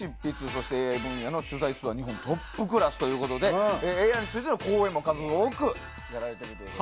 そしてＡＩ分野の取材数は日本トップクラスということでＡＩについての講演も数多くやられていると。